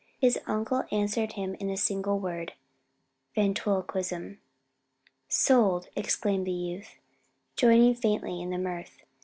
His uncle answered him in a single word, "Ventriloquism." "Sold!" exclaimed the youth, joining faintly in the mirth.